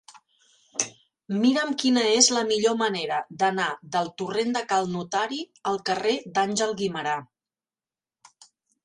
Mira'm quina és la millor manera d'anar del torrent de Cal Notari al carrer d'Àngel Guimerà.